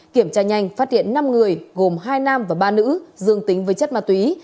kiểm tra nhanh phát hiện năm người gồm hai nam và ba nữ dương tính với chất ma túy